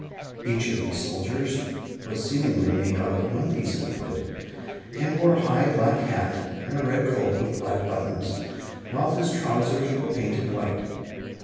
Each of these soldiers was seemingly made out of one piece of wood, and wore a high black hat and a red coat with black buttons, while his trousers were painted white.